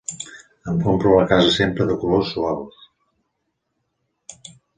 Em compro la casa sempre de colors suaus.